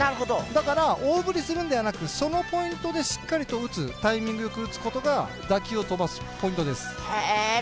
だから、大ぶりするんではなく、そのポイントでしっかり打つ、タイミングよく打つことが打球を飛ばすポイントです。